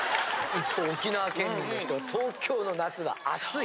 一方沖縄県民の人東京の夏は暑い！